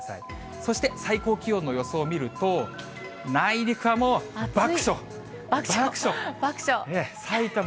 そして最高気温の予想を見ると、内陸はもう爆暑、爆暑。